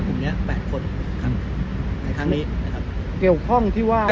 กลุ่มเนี้ยแปดคนครับในครั้งนี้นะครับเกี่ยวข้องที่ว่า